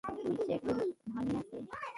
তুই চেক ভাঙিয়েছিস?